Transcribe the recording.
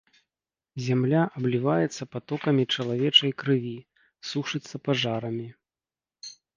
Зямля абліваецца патокамі чалавечай крыві, сушыцца пажарамі.